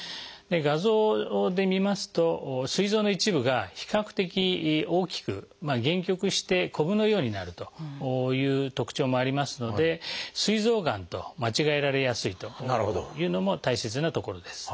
画像で見ますとすい臓の一部が比較的大きく限局してこぶのようになるという特徴もありますのですい臓がんと間違えられやすいというのも大切なところです。